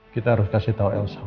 kita harus kasih tahu elsa